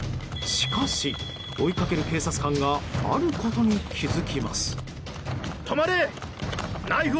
しかし、追いかける警察官があることに気づきます。